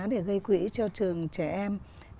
để gây quỹ cho trường trẻ em